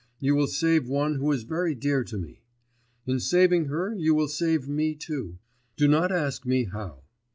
You will save one who is very dear to me. In saving her, you will save me too.... Do not ask me how.